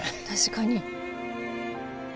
確かに。